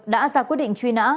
đã ra quyết định truy nã